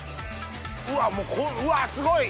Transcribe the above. うわうわすごい！